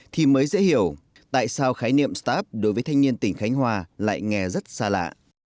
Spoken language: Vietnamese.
thì mới dễ hiểu tại sao khái niệm start up đối với thanh niên tỉnh khánh hòa lại nghe rất xa lạ